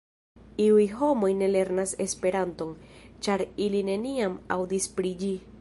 Iuj homoj ne lernas Esperanton, ĉar ili neniam aŭdis pri ĝi.